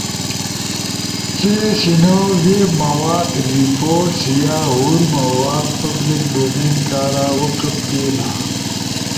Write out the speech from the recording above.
چی سینو ویب مواد، رپورٹس یا نور مواد پبلک ڈومین کارا وقف بینا۔